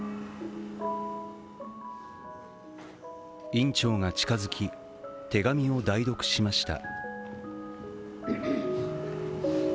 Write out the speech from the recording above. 院長が近づき、手紙を代読しました。